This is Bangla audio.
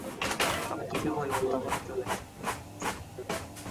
সবকিছু পরিবর্তন হতে চলেছে - শুনছো ইলিয়াস?